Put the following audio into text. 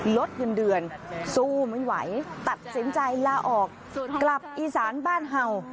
ลดเงินเดือนสู้ไม่ไหวตัดสินใจลาออกกลับอีสานบ้านเห่า